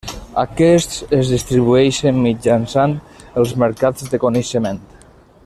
Aquests es distribueixen mitjançant els mercats de coneixement.